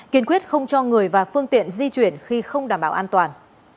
kiên quyết không cho người và phương tiện di chuyển khi không đảm bảo an toàn